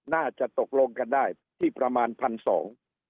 น่าจะตกลงกันได้ที่ประมาณพันสอง